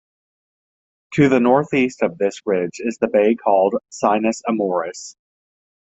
To the northeast of this ridge is the bay called Sinus Amoris.